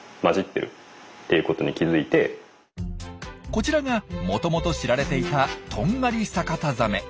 こちらがもともと知られていたトンガリサカタザメ。